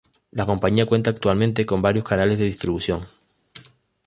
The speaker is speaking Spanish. La compañía cuenta actualmente con varios canales de distribución.